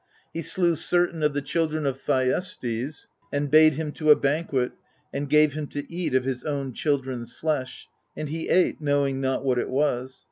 He slew certain of the children of Thyestes, and bade him to a banquet, and gave him to eat of his own children's flesh : and he ate, knowing not what it was.